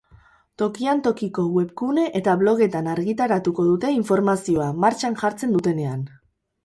Tokian tokiko webgune eta blogetan argitaratuko dute informazioa, martxan jartzen dutenean.